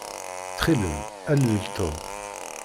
Ttxil-m, alel Tom.